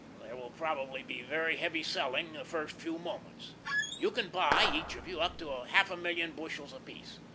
There will probably be very heavy selling the first few moments. You can buy, each of you, up to half a million bushels apiece.